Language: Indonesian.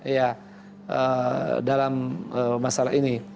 ya dalam masalah ini